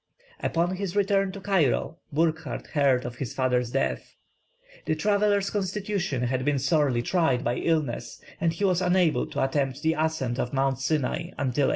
Upon his return to Cairo Burckhardt heard of his father's death. The traveller's constitution had been sorely tried by illness, and he was unable to attempt the ascent of Mount Sinai until 1816.